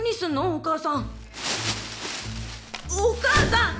お母さん！？